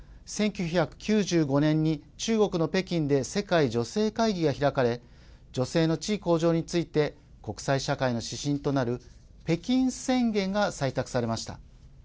１９９５年に、中国の北京で世界女性会議が開かれ女性の地位向上について国際社会の指針となる北京宣言が採択されました。